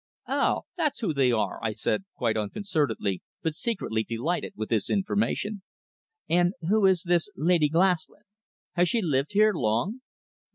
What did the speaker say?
"Oh, that's who they are!" I said quite unconcernedly, but secretly delighted with this information. "And who is this Lady Glaslyn? Has she lived here long?"